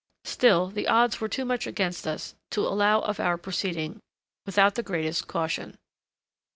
Still the odds were too much against us to allow of our proceeding without the greatest caution.